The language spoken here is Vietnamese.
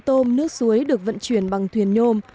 tôm nước suối được vận chuyển bằng thuyền nhôm